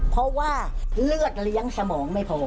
เพราะว่าเลือดเลี้ยงสมองไม่พอ